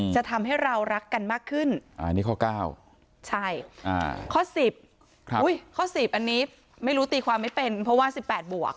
จะทำให้เรารักกันมากขึ้นอันนี้ข้อ๙ใช่ข้อ๑๐ข้อ๑๐อันนี้ไม่รู้ตีความไม่เป็นเพราะว่า๑๘บวก